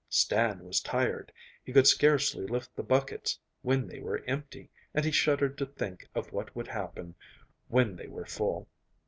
Stan was tired: he could scarcely lift the buckets when they were empty, and he shuddered to think of what would happen when they were full.